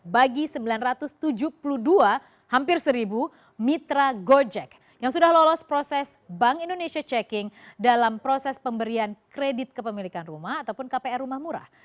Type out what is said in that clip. bagi sembilan ratus tujuh puluh dua hampir seribu mitra gojek yang sudah lolos proses bank indonesia checking dalam proses pemberian kredit kepemilikan rumah ataupun kpr rumah murah